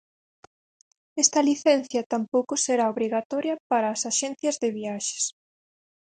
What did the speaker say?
Esta licencia tampouco será obrigatoria para as axencias de viaxes.